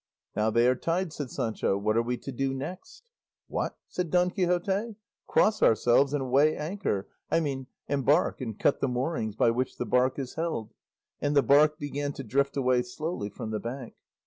"Now they are tied," said Sancho; "what are we to do next?" "What?" said Don Quixote, "cross ourselves and weigh anchor; I mean, embark and cut the moorings by which the bark is held;" and the bark began to drift away slowly from the bank.